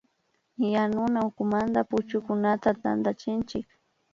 Yanuna ukumanta puchukunata tantachinchik